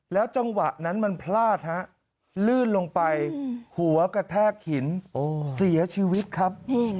จังหวะนั้นมันพลาดฮะลื่นลงไปหัวกระแทกหินเสียชีวิตครับ